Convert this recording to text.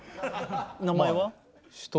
名前は？